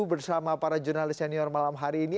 bersama para jurnalis senior malam hari ini